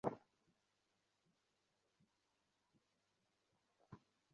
মহেন্দ্রকে আজ কে ঠেকাইতে পারে।